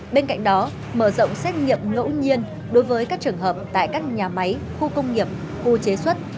bên cạnh đó mở rộng xét nghiệm ngẫu nhiên đối với các trường hợp tại các nhà máy khu công nghiệp khu chế xuất